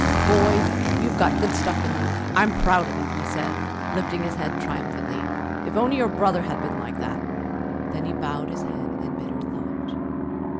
"Boy, you've got good stuff in you! I'm proud of you," he said, lifting his head triumphantly. "If only your brother had been like that!" Then he bowed his head in bitter thought.